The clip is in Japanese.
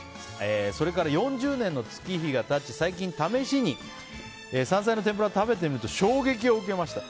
それから４０年の月日が経ち最近試しに山菜の天ぷらを食べてみると衝撃を受けました。